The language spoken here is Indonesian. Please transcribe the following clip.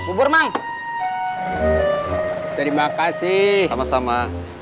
bubur mang terima kasih sama sama